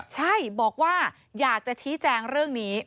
ใช่บอกว่าอยากจะชี้แจงเรื่องนี้